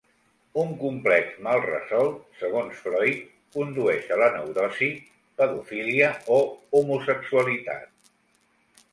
Un complex mal resolt, segons Freud, condueix a la neurosi, pedofília o homosexualitat.